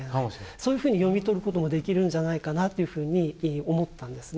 そういうふうに読み取ることもできるんじゃないかなっていうふうに思ったんですね。